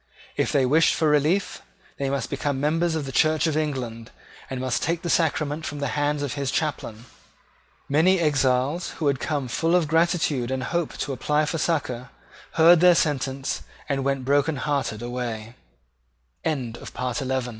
If they wished for relief, they must become members of the Church of England, and must take the sacrament from the hands of his chaplain. Many exiles, who had come full of gratitude and hope to apply for succour, heard their sentence, and went brokenheart